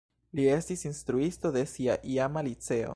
Li estis instruisto de sia iama liceo.